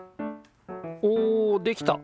おできた。